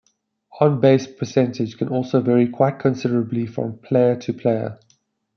On-base percentage can also vary quite considerably from player to player.